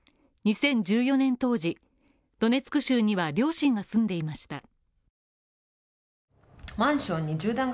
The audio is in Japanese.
２０１４年当時、ドネツク州には両親が住んでいました。